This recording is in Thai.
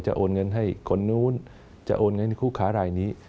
จะโอนเงินให้คนโน้นจะโอนเงินให้คู่ขารายนี้